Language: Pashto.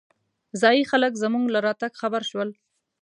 ځايي خلک زمونږ له راتګ خبر شول.